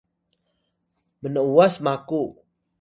mn’was maku